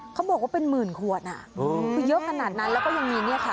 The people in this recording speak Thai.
เขาบอกว่าเป็นหมื่นขวดอ่ะคือเยอะขนาดนั้นแล้วก็ยังมีเนี่ยค่ะ